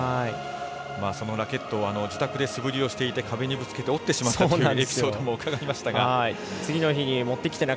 そのラケットを自宅で素振りをしていて壁にぶつけて折ってしまったというエピソードを伺いましたが。